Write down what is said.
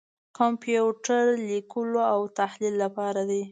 کمپیوټر لیکلو او تحلیل لپاره دی.